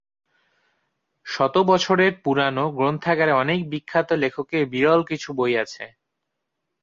শত বছরের পুরানো গ্রন্থাগারে অনেক বিখ্যাত লেখকের বিরল কিছু বই আছে।